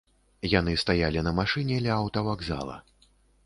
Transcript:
Яны стаялі на машыне ля аўтавакзала.